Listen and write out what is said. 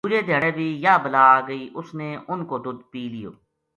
دُوجے دھیاڑے بھی یاہ بلا آ گئی اس نے اُنھ کو دُدھ پی لیو